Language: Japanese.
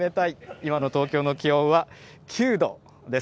今の東京の気温は９度です。